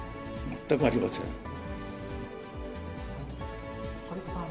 全くありません。